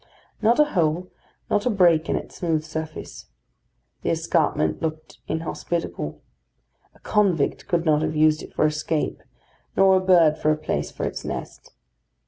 Not a hole, not a break in its smooth surface. The escarpment looked inhospitable. A convict could not have used it for escape, nor a bird for a place for its nest.